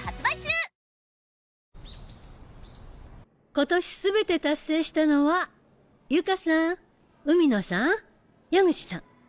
今年全て達成したのはユカさん海野さん矢口さん。